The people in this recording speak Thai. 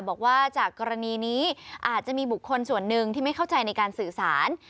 บอกว่าจากกรณีนี้อาจจะมีบุคคลส่วนหนึ่งที่ไม่เข้าใจในการสื่อสาร